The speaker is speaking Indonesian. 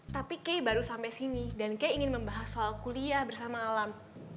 tapi kay baru sampai sini dan kaya ingin membahas soal kuliah bersama alam